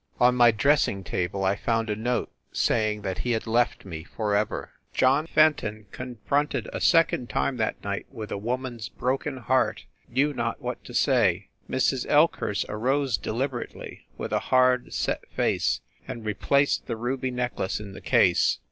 On my dressing table I found a note saying that he had left me for ever. John Fenton, confronted a second time that night with a woman s broken heart, knew not what to say. Mrs. Elkhurst arose deliberately, with a hard, set face, and replaced the ruby necklace in the case.